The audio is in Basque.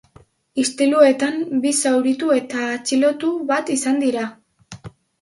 Istiluetan bi zauritu eta atxilotu bat izan dira.